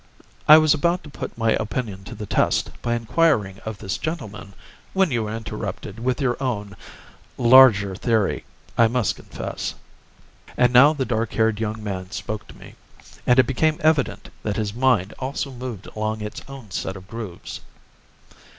I was about to put my opinion to the test by inquiring of this gentleman when you interrupted with your own—larger theory, I must confess." And now the dark haired young man spoke to me, and it became evident that his mind also moved along its own set of grooves.